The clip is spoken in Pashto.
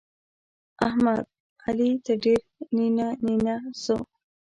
احمد؛ علي ته ډېر نينه نينه سو.